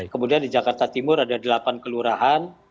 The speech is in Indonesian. kemudian di jakarta timur ada delapan kelurahan